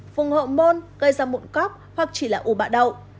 phùng hộ môn gây ra mụn cóc hoặc chỉ là u bạ đậu